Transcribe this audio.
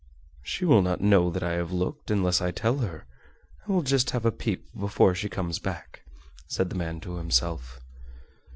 "She will not know that I have looked unless I tell her. I will just have a peep before she comes back," said the man to himself.